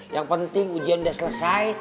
yang penting ujian sudah selesai